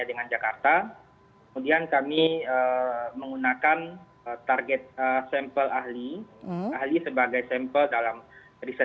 dan kami juga memiliki pengetahuan terkait tema riset yang kita lakukan